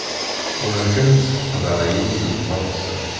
Bɣiɣ kan ad ssfeqdeɣ i yiwet n tɣawsa.